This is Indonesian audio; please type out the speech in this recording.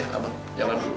ya abah jalan dulu